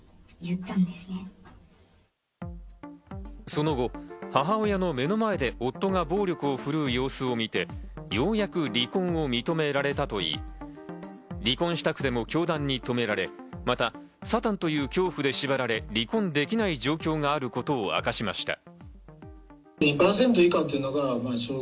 その後、母親の目の前で夫が暴力を振るう様子を見て、ようやく離婚を認められたといい、離婚したくても教団に止められ、またサタンという恐怖で縛られ、離婚できない状況があることを明かしました。